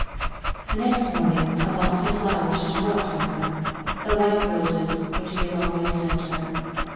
The next morning, a box of flowers was brought to her; the white roses which he had always sent her.